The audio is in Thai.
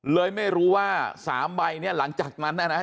เลยไม่รู้ว่า๓ใบนี้หลังจากนั้นน่ะนะ